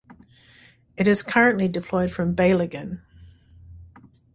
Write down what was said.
It is currently deployed from Beylagan.